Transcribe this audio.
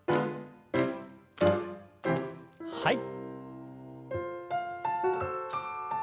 はい。